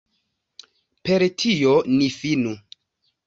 Per tio ni finu.